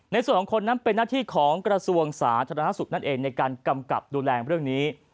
ในส่วนของคนนั้นเป็นนักที่ของกระทรวงศาสตร์ธรรมนักศึกษ์นั่นเองในการกำกับดูแลงเรื่องนี้